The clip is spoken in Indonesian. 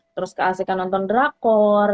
terus keasikan nonton drakor